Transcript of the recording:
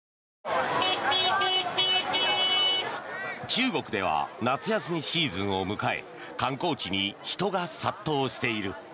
中国では夏休みシーズンを迎え観光地に人が殺到している。